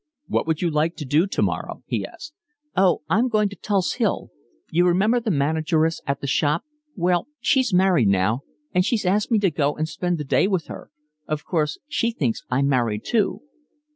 "What would you like to do tomorrow?" he asked. "Oh, I'm going to Tulse Hill. You remember the manageress at the shop, well, she's married now, and she's asked me to go and spend the day with her. Of course she thinks I'm married too."